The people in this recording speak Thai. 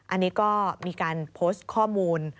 อันนี้ก็มีการโพสต์ข้อมูล